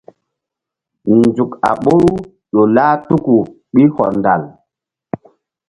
Nzuk a ɓoru ƴo lah tuku ɓil hɔndal.